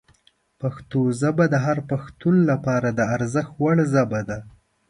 پښتو ژبه د هر پښتون لپاره د ارزښت وړ ژبه ده.